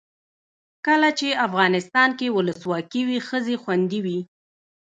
کله چې افغانستان کې ولسواکي وي ښځې خوندي وي.